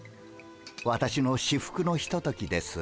私の至福のひとときです。